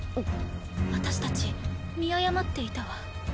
私たち見誤っていたわ。